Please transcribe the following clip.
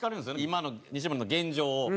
今の西森の現状を。